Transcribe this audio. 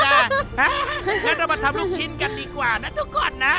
ฮ่าเถอะเรามาทำรุ่งชิ้นกันดีกว่านะทุกคนนะ